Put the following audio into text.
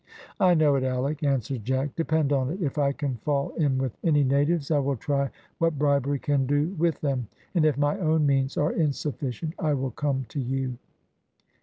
"I know it, Alick," answered Jack. "Depend on it, if I can fall in with any natives, I will try what bribery can do with them; and if my own means are insufficient, I will come to you."